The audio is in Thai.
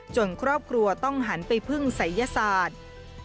ครอบครัวต้องหันไปพึ่งศัยยศาสตร์